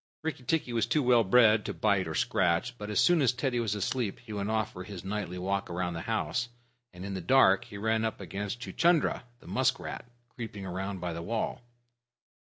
Rikki tikki was too well bred to bite or scratch, but as soon as Teddy was asleep he went off for his nightly walk round the house, and in the dark he ran up against Chuchundra, the musk rat, creeping around by the wall.